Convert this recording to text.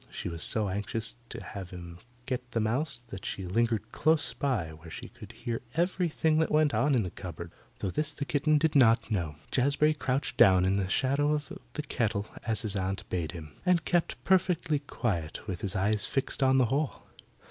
She was so anxious to have him get the mouse that she lingered close by where she could hear everything that went on in the cupboard though this the kitten did not know. Jazbury crouched down in the shadow of the kettle as his aunt bade him, and kept perfectly quiet with his eyes fixed on the hole.